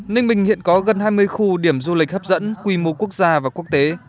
ninh bình hiện có gần hai mươi khu điểm du lịch hấp dẫn quy mô quốc gia và quốc tế